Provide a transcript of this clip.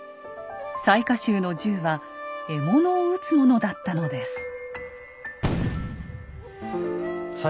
雑賀衆の銃は獲物を撃つものだったのです。